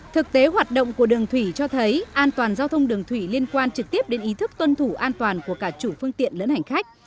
thực tế hoạt động của đường thủy cho thấy an toàn giao thông đường thủy liên quan trực tiếp đến ý thức tuân thủ an toàn của cả chủ phương tiện lẫn hành khách